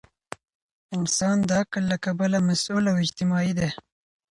انسان د عقل له کبله مسؤل او اجتماعي دی.